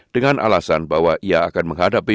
dengan alasan bahwa ia akan menghadapi